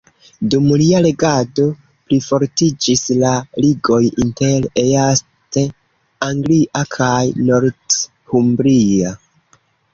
Dum lia regado plifortiĝis la ligoj inter East Anglia kaj Northumbria.